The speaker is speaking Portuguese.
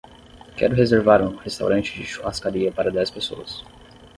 Quero reservar um restaurante de churrascaria para dez pessoas.